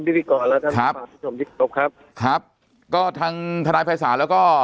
พิธีกรและท่านผู้ฟังผู้ชมที่ครบครับครับก็ทางทนายภัยศาสตร์แล้วก็